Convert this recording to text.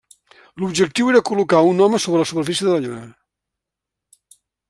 L'objectiu era col·locar un home sobre la superfície de la Lluna.